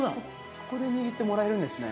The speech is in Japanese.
そこで握ってもらえるんですね。